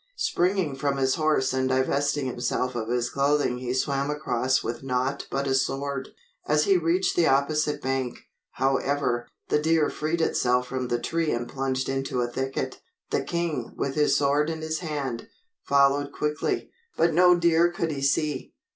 Springing from his horse and divesting himself of his clothing he swam across with naught but a sword. As he reached the opposite bank, however, the deer freed itself from the tree and plunged into a thicket. The king, with his sword in his hand, followed quickly, but no deer could he see.